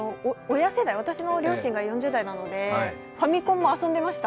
親世代、私の両親が４０代なのでファミコンも遊んでました。